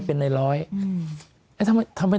มันเป็นอาหารของพระราชา